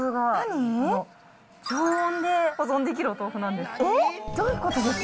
常温で保存できるお豆腐なんです。